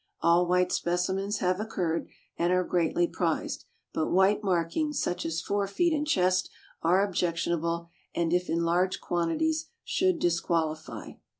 All white specimens have occurred, and are greatly prized, but white markings, such as fore feet and chest, are objectionable, and, if in large quantities, should disqualify.